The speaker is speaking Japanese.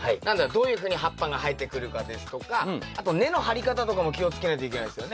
どういうふうに葉っぱが生えてくるかですとかあと根の張り方とかも気をつけないといけないですよね。